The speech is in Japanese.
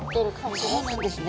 そうなんですね。